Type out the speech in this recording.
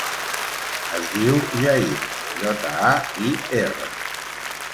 Es diu Jair: jota, a, i, erra.